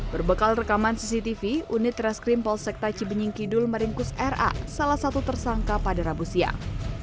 berbekal rekaman cctv unit reskrim polsek taci benyingkidul marinkus ra salah satu tersangka pada rabu siang